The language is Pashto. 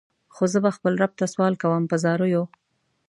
خو زه به خپل رب ته سوال کوم په زاریو.